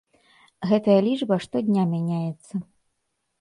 Гэтая лічба штодня мяняецца.